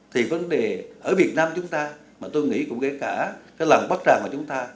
thì vấn đề ở việt nam chúng ta mà tôi nghĩ cũng kể cả làng bát tràng của chúng ta